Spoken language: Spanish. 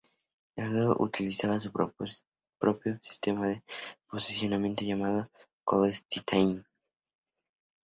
El Oculus Rift utiliza su propio sistema de posicionamiento llamado Constellation.